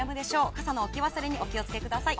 傘の置き忘れにお気を付けください。